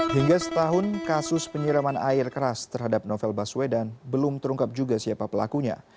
hingga setahun kasus penyiraman air keras terhadap novel baswedan belum terungkap juga siapa pelakunya